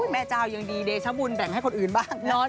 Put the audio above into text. แม่เจ้ายังดีเดชบุญแบ่งให้คนอื่นบ้าง